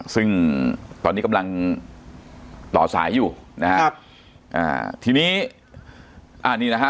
ซึ่งตอนนี้กำลังต่อสายอยู่นะครับอ่าทีนี้อ่านี่นะฮะ